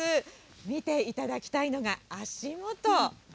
見ていただきたいのが、足元。